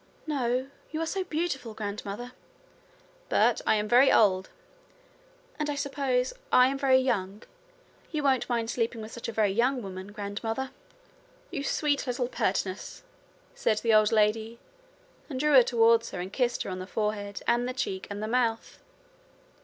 'No. You are so beautiful, grandmother.' 'But I am very old.' 'And I suppose I am very young. You won't mind sleeping with such a very young woman, grandmother?' 'You sweet little pertness!' said the old lady, and drew her towards her, and kissed her on the forehead and the cheek and the mouth.